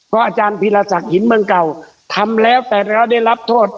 อาจารย์พีรศักดิ์หินเมืองเก่าทำแล้วแต่แล้วได้รับโทษ